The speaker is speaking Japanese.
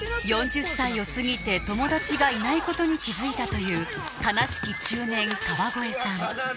４０歳を過ぎて友達がいないことに気づいたという悲しき中年川越さん